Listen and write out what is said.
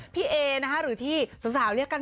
พี่เออีย์หรือที่สาวเรียกกัน